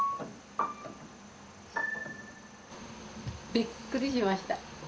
びっくりしました。